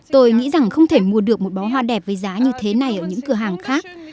tôi nghĩ rằng không thể mua được một bó hoa đẹp với giá như thế này ở những cửa hàng khác